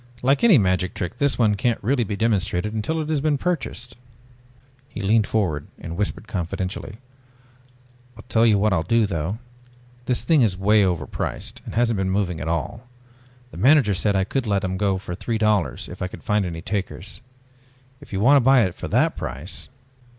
Like any magic trick this one can't be really demonstrated until it has been purchased." He leaned forward and whispered confidentially. "I'll tell you what I'll do though. This thing is way overpriced and hasn't been moving at all. The manager said I could let them go at three dollars if I could find any takers. If you want to buy it for that price...."